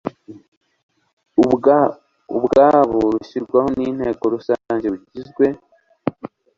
ubwabo rushyirwaho n inteko rusange Rugizwe